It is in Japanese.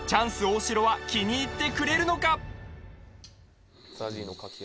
大城は気に入ってくれるのか？